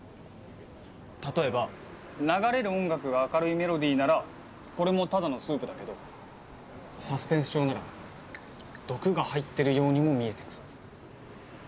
例えば流れる音楽が明るいメロディーならこれもただのスープだけどサスペンス調なら毒が入ってるようにも見えてくる。